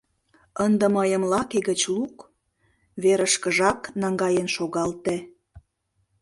Ынде мыйым лаке гыч лук, верышкыжак наҥгаен шогалте.